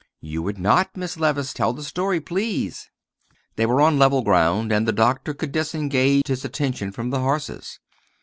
"You would not, Miss Levice. Tell the story, please." They were on level ground, and the doctor could disengage his attention from the horses.